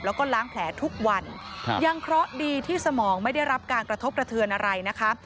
แล้วก็ล้างแผลทุกวันครับยังเคราะห์ดีที่สมองไม่ได้รับการกระทบกระเทือนอะไรนะคะ